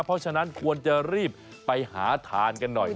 เพราะฉะนั้นควรจะรีบไปหาทานกันหน่อย